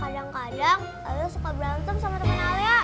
kadang kadang alia suka berantem sama teman alia